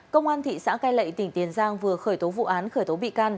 công an thị xã cai lệ tỉnh tiền giang vừa khởi tố vụ án khởi tố bị can